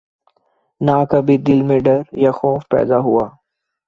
نہ کبھی دل میں ڈر یا خوف پیدا ہوا